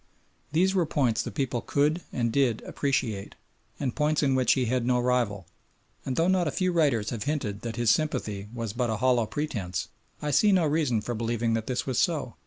These were points the people could and did appreciate, and points in which he had no rival. And though not a few writers have hinted that his sympathy was but a hollow pretence, I see no reason for believing that this was so.